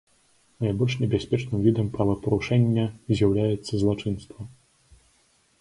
Найбольш небяспечным відам правапарушэння з'яўляецца злачынства.